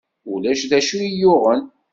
Ulac d acu iyi-yuɣen?